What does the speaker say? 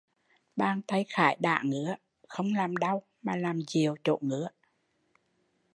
Bàn tay khải đã ngứa không làm đau mà làm dịu chỗ ngứa